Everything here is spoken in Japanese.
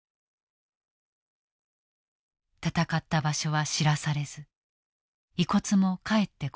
戦った場所は知らされず遺骨も帰ってこなかった。